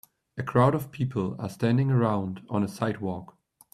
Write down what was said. A crowd of people are standing around on a sidewalk.